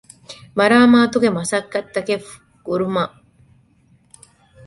މަރާމާތުގެ މަސައްކަތްތަކެއް ކުރުމަށް